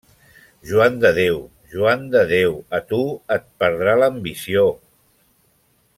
-Joan de Déu, Joan de Déu, a tu et perdrà l'ambició!